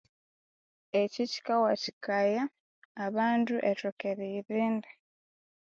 Ekyi kyikawatikaya abandu eritoka eriyirinda